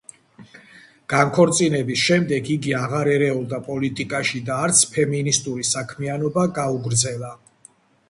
განქორწინების შემდეგ იგი აღარ ერეოდა პოლიტიკაში და არც ფემინისტური საქმიანობა გაუგრძელა.